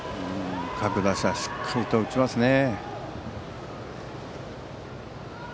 各打者、しっかりと打ちますね。